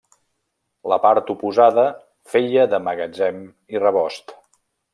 La part oposada feia de magatzem i rebost.